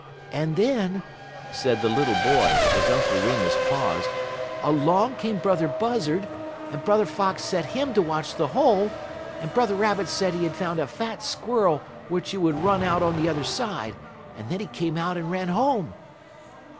"And then," said the little boy, as Uncle Remus paused, "along came Brother Buzzard, and Brother Fox set him to watch the hole, and Brother Rabbit said he had found a fat squirrel which he would run out on the other side; and then he came out and ran home."